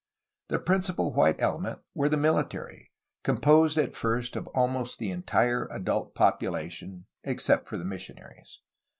The principal white element were the military, composed at first of almost the entire adult population, except for the missionaries.